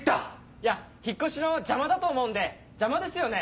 いや引っ越しの邪魔だと思うんで邪魔ですよね？